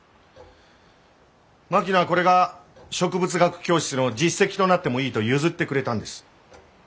槙野はこれが植物学教室の実績となってもいいと譲ってくれたんです。